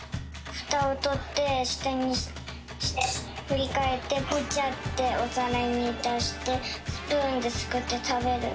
ふたをとってしたにひっくりかえってブチャっておさらにだしてスプーンですくってたべる。